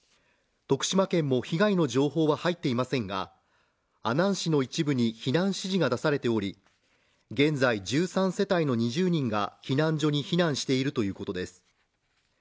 徳島県も被害の情報は入っていませんが阿南市の一部に避難指示が出されており、現在１３世帯の２０人が避難所に避難しているということです。